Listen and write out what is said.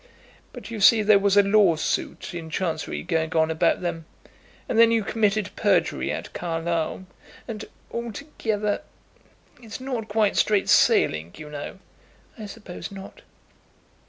But you see there was a lawsuit in Chancery going on about them; and then you committed perjury at Carlisle. And altogether, it's not quite straight sailing, you know." "I suppose not."